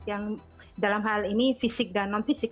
yang dalam hal ini fisik dan non fisik